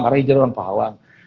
karena hijrah orang pahawang